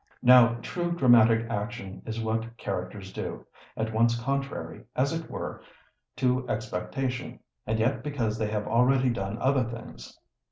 Now, true dramatic action is what characters do, at once contrary, as it were, to expectation, and yet because they have already done other things.